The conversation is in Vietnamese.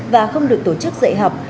và không được tổ chức dạy học